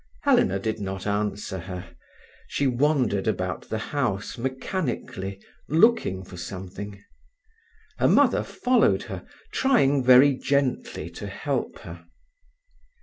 Helena did not answer her. She wandered about the house mechanically, looking for something. Her mother followed her, trying very gently to help her.